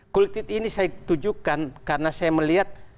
kultid ini saya tujukan karena saya melihat